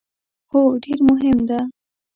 هو، ډیر مهم ده